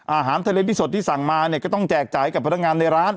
อาหารทะเลที่สดที่สั่งมาเนี่ยก็ต้องแจกจ่ายกับพนักงานในร้าน